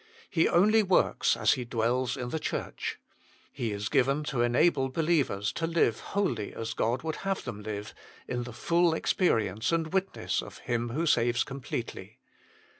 He only works as He dwells in the Church. He is given to enable believers to live wholly as God would have them live, in the full experience and witness of Him who saves completely.